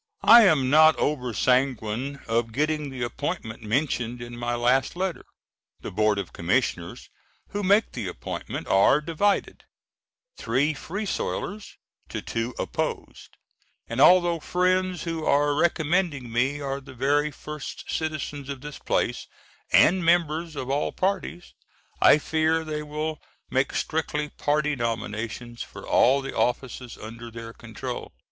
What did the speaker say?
I am not over sanguine of getting the appointment mentioned in my last letter. The Board of Commissioners, who make the appointment, are divided, three free soilers to two opposed, and although friends who are recommending me are the very first citizens of this place, and members of all parties, I fear they will make strictly party nominations for all the offices under their control.